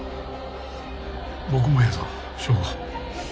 僕もやぞ省吾。